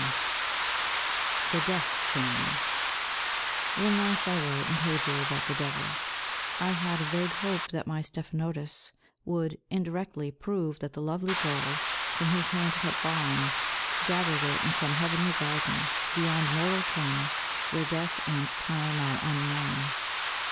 XXIX THE DEATH CHAIN When last I wrote and told you about the Devi, I had a vague hope that my stephanotis would, indirectly, prove that the lovely girl, from whose hand it had fallen, gathered it in some heavenly garden, beyond mortal ken, where Death and Time are unknown.